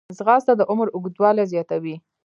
ځغاسته د عمر اوږدوالی زیاتوي